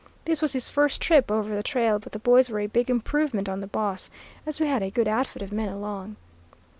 This was his first trip over the trail, but the boys were a big improvement on the boss, as we had a good outfit of men along.